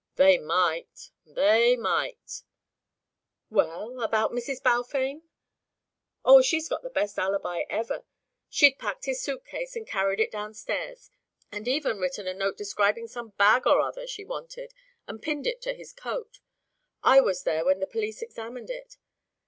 "They might! They might!" "Well about Mrs. Balfame?" "Oh, she's got the best alibi ever. She'd packed his suitcase and carried it downstairs, and even written a note describing some bag or other she wanted and pinned it to his coat. I was there when the police examined it.